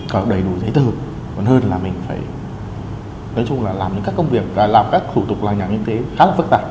có đầy đủ giấy tờ còn hơn là mình phải nói chung là làm những các công việc và làm các thủ tục làm nhà kinh tế khá là phức tạp